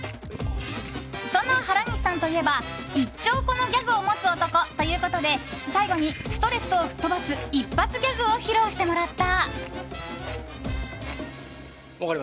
そんな原西さんといえば１兆個のギャグを持つ男ということで最後にストレスを吹っ飛ばす一発ギャグを披露してもらった。